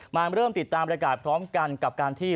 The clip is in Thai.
มาเริ่มติดตามบริการพร้อมกันกับการที่